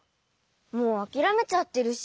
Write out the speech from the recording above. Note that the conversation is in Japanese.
もうあきらめちゃってるし。